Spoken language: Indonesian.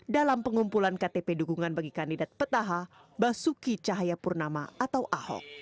dalam pengumpulan ktp dukungan bagi kandidat petaha basuki cahayapurnama atau ahok